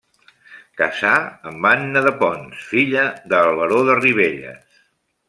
Casà amb Anna de Pons filla del Baró de Ribelles.